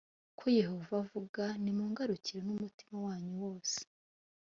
ko yehova avuga nimungarukire n umutima wanyu wose